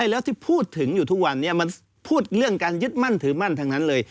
แล้วที่พูดถึงอยู่ทุกวันนี้มันพูดเรื่องการยึดมั่นถือมั่นทั้งนั้นเลย